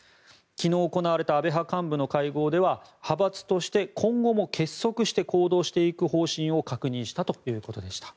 昨日行われた安倍派幹部の会合では派閥として今後も結束して行動していく方針を確認したということでした。